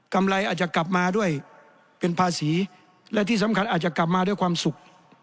ไรอาจจะกลับมาด้วยเป็นภาษีและที่สำคัญอาจจะกลับมาด้วยความสุข